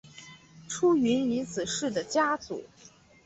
出云尼子氏的家祖。